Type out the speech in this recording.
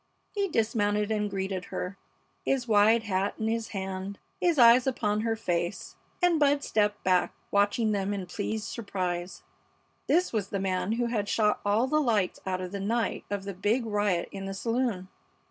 He dismounted and greeted her, his wide hat in his hand, his eyes upon her face, and Bud stepped back, watching them in pleased surprise. This was the man who had shot all the lights out the night of the big riot in the saloon.